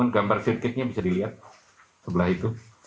gambar sirkuitnya bisa dilihat sebelah itu